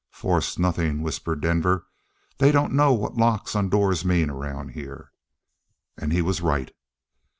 "Force nothing," whispered Denver. "They don't know what locks on doors mean around here." And he was right.